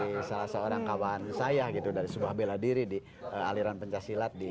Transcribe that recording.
jadi salah seorang kawan saya gitu dari sebuah bela diri di aliran pencak silat di sana